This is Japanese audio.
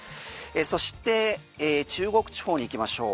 そして中国地方に行きましょう。